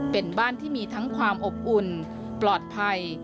เป็นบ้านที่มีทั้งความอบอุ่นปลอดภัย